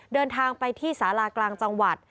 เดินทางไปที่สารากลางจังหวัด